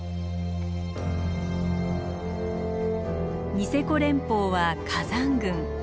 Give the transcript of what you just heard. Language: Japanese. ニセコ連峰は火山群。